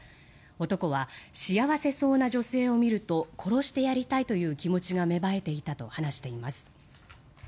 男は、幸せそうな女性を見ると殺してやりたいという気持ちが芽生えていたと話しています。